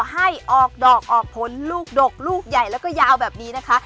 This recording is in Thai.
ให้ออกดอกออกผลลูกดกลูกใหญ่แล้วก็ยาวแบบนี้นะคะ